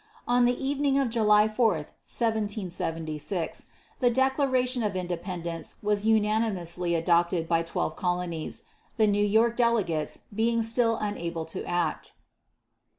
On the evening of July 4, 1776, the Declaration of Independence was unanimously adopted by twelve colonies, the New York delegates being still unable to act.